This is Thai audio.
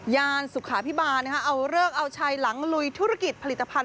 ยานสุขาพิบาลเอาเลิกเอาชัยหลังลุยธุรกิจผลิตภัณฑ